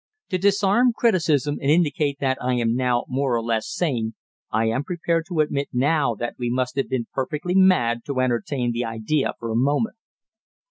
To disarm criticism and indicate that I am now more or less sane, I am prepared to admit now that we must have been perfectly mad to entertain the idea for a moment.